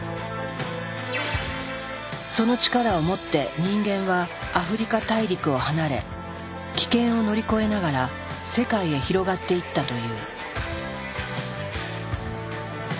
その力を持って人間はアフリカ大陸を離れ危険を乗り越えながら世界へ広がっていったという。